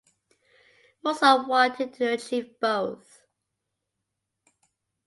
Mozart wanted to achieve both.